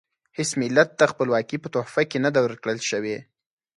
هیڅ ملت ته خپلواکي په تحفه کې نه ده ورکړل شوې.